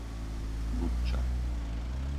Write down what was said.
Budča